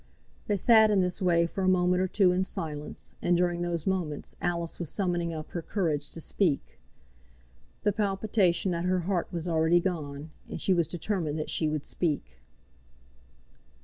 They sat in this way for a moment or two in silence, and during those moments Alice was summoning up her courage to speak. The palpitation at her heart was already gone, and she was determined that she would speak.